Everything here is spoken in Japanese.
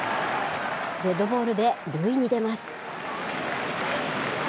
デッドボールで塁に出ます。